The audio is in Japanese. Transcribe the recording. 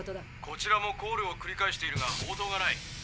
「こちらもコールをくり返しているが応答がない」。